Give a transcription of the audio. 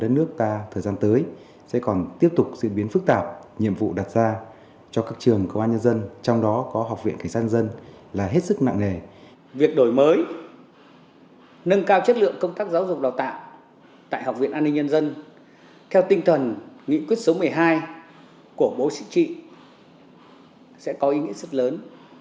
nghị quyết số một mươi hai của bộ chính trị sẽ có ý nghĩa rất lớn